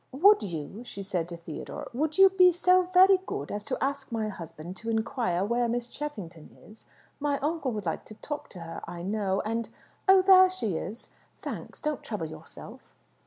"Would you," she said to Theodore, "would you be so very good as to ask my husband to inquire where Miss Cheffington is? My uncle would like to talk to her, I know; and Oh, there she is! Thanks. Don't trouble yourself."